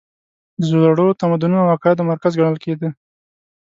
د زړو تمدنونو او عقایدو مرکز ګڼل کېده.